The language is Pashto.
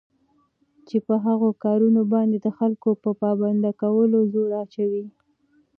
چې په هغو كارونو باندي دخلكوپه پابند كولو زور اچوي